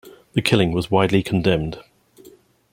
The killing was widely condemned.